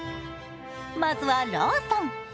まずはローソン。